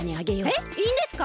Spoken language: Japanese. えっいいんですか！？